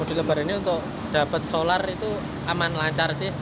ini untuk dapat solar itu aman lancar sih